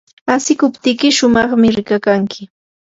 asikuptiyki shumaqmi rikakanki.